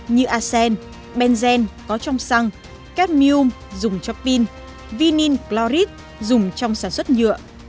như arsen benzene có trong xăng cadmium dùng cho pin vinincloride dùng trong sản xuất nhựa